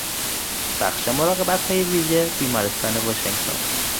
بخش مراقبتهای ویژه بیمارستان واشنگتن